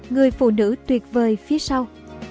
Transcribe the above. người phụ nữ tuyệt vời phía sau